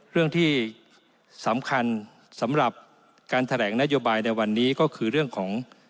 เรื่องที่สำคัญสำหรับการแถลงนโยบายในวันนี้ก็คือเรื่องของ